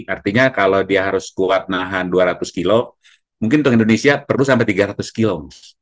artinya kalau dia harus kuat nahan dua ratus kilo mungkin untuk indonesia perlu sampai tiga ratus kilo